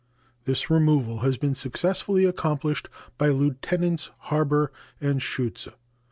This removal has been successfully accomplished by Lieutenants Harber and Schuetze.